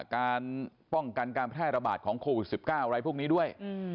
การป้องกันการแพร่ระบาดของโควิด๑๙อะไรพวกนี้ด้วย